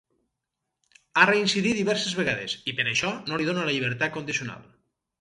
Ha reincidit diverses vegades, i per això no li donen la llibertat condicional.